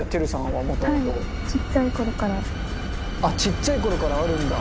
はいあっちっちゃい頃からあるんだ。